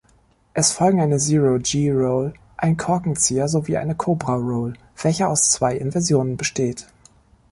Es folgen eine Zero-G-Roll, ein Korkenzieher, sowie eine Cobra-Roll, welche aus zwei Inversionen besteht.